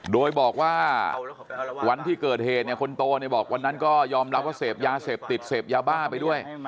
โดยบอกว่าวันที่เกิดเหตุเนี่ยคนโตเนี่ยบอกวันนั้นก็ยอมรับว่าเสพยาเสพติดเสพยาบ้าไปด้วย